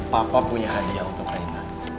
papa punya hadiah untuk raina